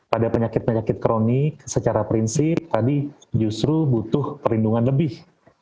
pada penyakit penyakit kronik secara prinsip tadi justru butuh perlindungan lebih